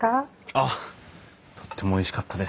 あっとってもおいしかったです。